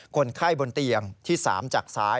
คนไข้บนเตียงที่๓จากซ้าย